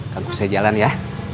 tangguh soi jalan ya